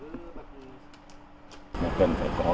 cần phải có cái định định khối hợp của bốn bộ